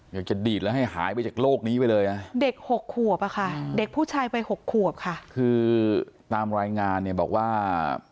อยากจะดีดแล้วให้หายไปจากโลกนี้ไปเลยนะเด็กหกขวบอะค่ะเด็กผู้ชายไปหกขวบค่ะคือตามรายงานเนี่ยบอกว่า